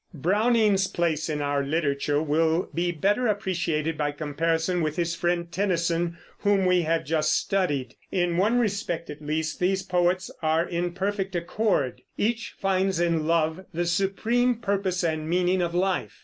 Browning's place in our literature will be better appreciated by comparison with his friend Tennyson, whom we have just studied. In one respect, at least, these poets are in perfect accord. Each finds in love the supreme purpose and meaning of life.